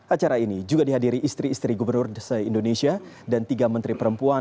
acara ini juga dihadiri istri istri gubernur se indonesia dan tiga menteri perempuan